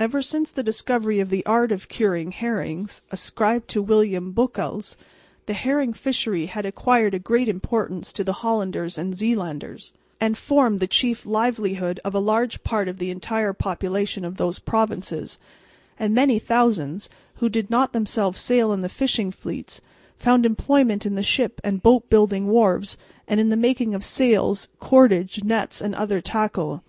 Ever since the discovery of the art of curing herrings (ascribed to William Beukelsz), the herring fishery had acquired a great importance to the Hollanders and Zeelanders, and formed the chief livelihood of a large part of the entire population of those provinces; and many thousands, who did not themselves sail in the fishing fleets, found employment in the ship and boat building wharves and in the making of sails, cordage, nets and other tackle.